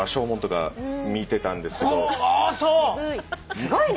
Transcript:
すごいね。